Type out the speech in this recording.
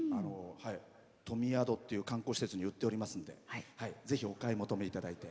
とみやどっていう観光施設に売っておりますのでぜひお買い求めいただいて。